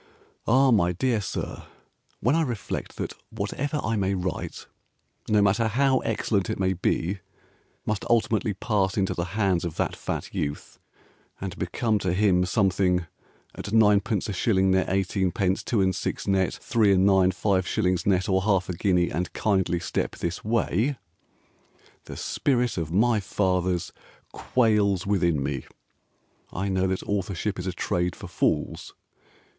Ah, my dear Sir, When I reflect that whatever I may write, No matter how excellent it may be, Must ultimately pass into the hands Of that fat youth And become to him Something At ninepenceashillingneteighteenpencetwoandsix netthreeandninefiveshillingsnetorhalfaguinea andkindlystepthisway The spirit of my fathers quails within me, I know that authorship Is a trade for fools.